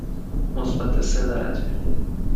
مثبت سه درجه.